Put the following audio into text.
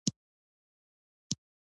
آب وهوا د افغانستان د انرژۍ د سکتور برخه ده.